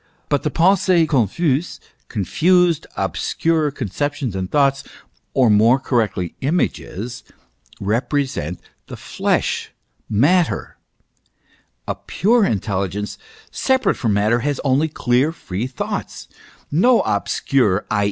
But the Pensees confuses confused, obscure concep tions and thoughts, or more correctly images, represent the flesh, matter ; a pure intelligence, separate from matter, has only clear, free thoughts, no obscure, i.